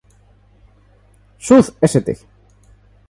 South St.